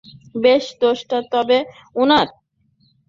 বেশ, দোষটা তবে উনার?